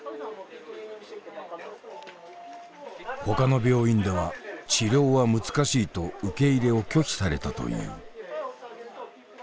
ほかの病院では治療は難しいと受け入れを拒否されたという。